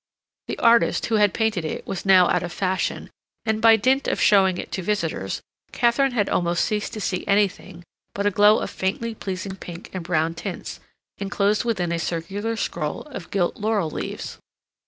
The artist who had painted it was now out of fashion, and by dint of showing it to visitors, Katharine had almost ceased to see anything but a glow of faintly pleasing pink and brown tints, enclosed within a circular scroll of gilt laurel leaves.